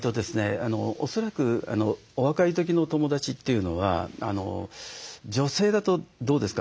恐らくお若い時の友だちというのは女性だとどうですか？